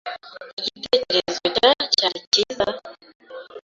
Igitekerezo cya cyari cyiza?